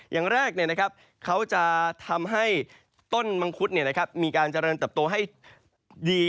อย่างแรกเขาจะทำให้ต้นมังคุดมีการเจริญเติบโตให้ดี